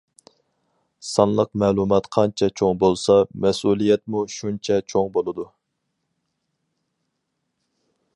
سانلىق مەلۇمات قانچە چوڭ بولسا، مەسئۇلىيەتمۇ شۇنچە چوڭ بولىدۇ.